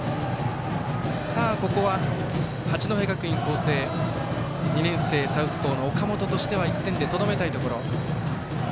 ここは、八戸学院光星２年生サウスポーの岡本としては１点でとどめたいところ。